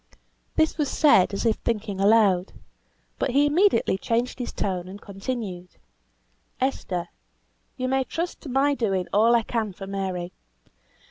This was said as if thinking aloud; but he immediately changed his tone, and continued, "Esther, you may trust to my doing all I can for Mary.